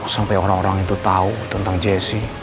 sampai orang orang itu tahu tentang jesse